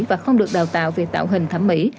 và không được đào tạo về tạo hình thẩm mỹ